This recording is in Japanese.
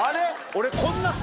俺。